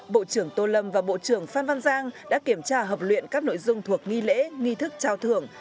bộ trưởng tô lâm và bộ trưởng phan văn giang đã kiểm tra hợp luyện các nội dung thuộc nghi lễ nghi thức trao thưởng